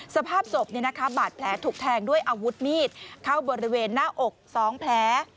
สภาพศพบาดแผลถูกแทงด้วยอาวุธมีดเข้าบริเวณหน้าอก๒แผล